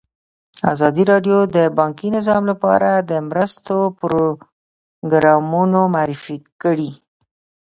ازادي راډیو د بانکي نظام لپاره د مرستو پروګرامونه معرفي کړي.